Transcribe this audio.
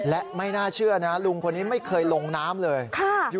และไม่น่าเชื่อนะลุงคนนี้ไม่เคยลงน้ำเลย